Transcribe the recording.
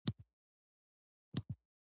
موټر ورو چلوئ